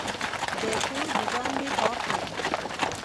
د کور بوټان مې پاک کړل.